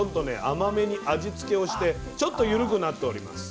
甘めに味つけをしてちょっと緩くなっております。